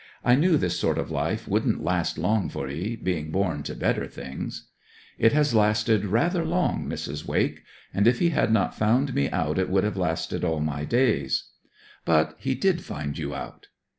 I knew this sort of life wouldn't last long for 'ee, being born to better things.' 'It has lasted rather long, Mrs. Wake. And if he had not found me out it would have lasted all my days.' 'But he did find you out.'